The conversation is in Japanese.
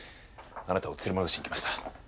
あなたを連れ戻しに来ました。